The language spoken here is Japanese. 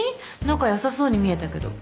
仲良さそうに見えたけど。